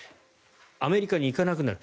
アメリカに行かなくなる。